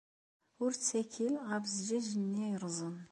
Ur ttakel ɣef zzjaj-nni yerrẓen.